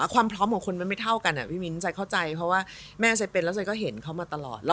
ความพร้อมของคนมันไม่เท่ากันพี่มิ้นใจเข้าใจเพราะว่าแม่ใจเป็นแล้วใจก็เห็นเขามาตลอด